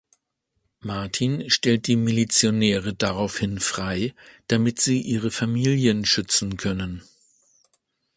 Martin stellt die Milizionäre daraufhin frei, damit sie ihre Familien schützen können.